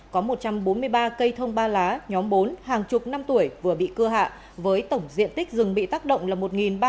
có một trăm bốn mươi ba cây thông ba lá nhóm bốn hàng chục năm tuổi vừa bị cưa hạ với tổng diện tích rừng bị tác động là một ba trăm bảy mươi hai m hai